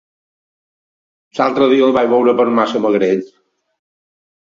L'altre dia el vaig veure per Massamagrell.